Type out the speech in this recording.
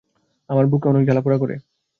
আমার বুক অনেক জ্বালা পুড়া করে।